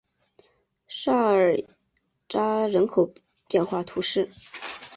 萨尔扎人口变化图示